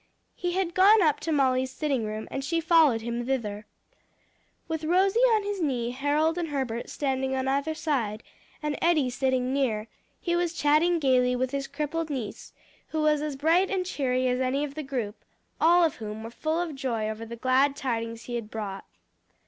He had gone up to Molly's sitting room, and she followed him thither. With Rosie on his knee, Harold and Herbert standing on either side, and Eddie sitting near, he was chatting gayly with his crippled niece, who was as bright and cheery as any of the group, all of whom were full of joy over the glad tidings he had brought.